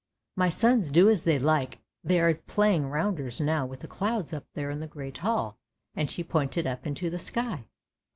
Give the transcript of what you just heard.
" My sons do as they like, they are playing rounders now with the clouds up there in the great hall," and she pointed up into the sky.